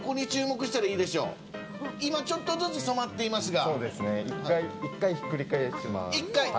今ちょっとずつ染まっていますが。